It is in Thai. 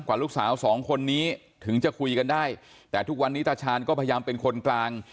ลูกสาวสองคนนี้ถึงจะคุยกันได้แต่ทุกวันนี้ตาชาญก็พยายามเป็นคนกลาง